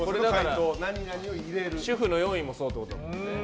主婦の４位もそうってことだよね。